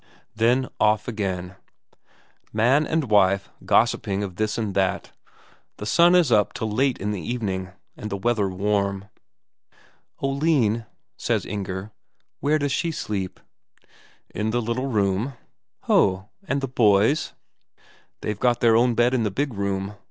Then off again. Man and wife gossiping of this and that. The sun is up till late in the evening, and the weather warm. "Oline," says Inger "where does she sleep?" "In the little room." "Ho! And the boys?" "They've their own bed in the big room.